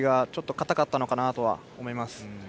硬かったのかなとは思います。